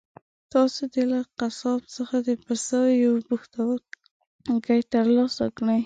تاسو دې له قصاب څخه د پسه یو پښتورګی ترلاسه کړئ.